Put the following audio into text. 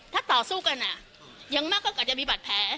ถ้าต่อสู้กันยังมากก็อาจจะมีบัตรแผล